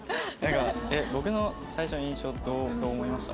僕の最初の印象どう思いました？